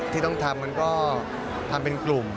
ที่ต้องทำมันก็ทำเป็นกลุ่ม